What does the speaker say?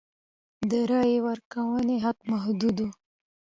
د رایې ورکونې حق محدود و.